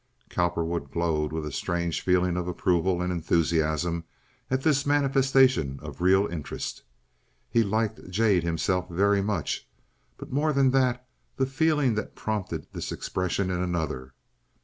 Cowperwood glowed with a strange feeling of approval and enthusiasm at this manifestation of real interest. He liked jade himself very much, but more than that the feeling that prompted this expression in another.